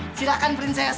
ya silahkan prinses